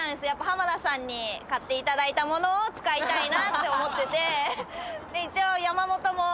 浜田さんに買っていただいたものを使いたいなって思ってて。